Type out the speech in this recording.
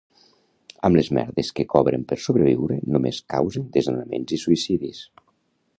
Amb les merdes que cobren per sobreviure només causen desnonaments i suïcidis